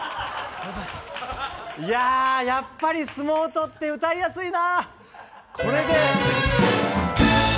いや、やっぱりＳＵＭＯ音って歌いやすいな。